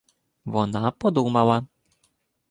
Вона подумала.